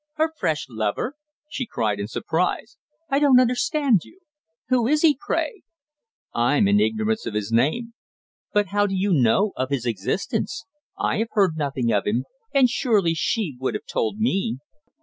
"Her fresh lover?" she cried in surprise. "I don't understand you. Who is he, pray?" "I'm in ignorance of his name." "But how do you know of his existence? I have heard nothing of him, and surely she would have told me.